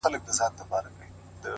ځوان په لوړ ږغ،